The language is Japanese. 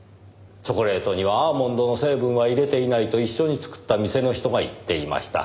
チョコレートにはアーモンドの成分は入れていないと一緒に作った店の人が言っていました。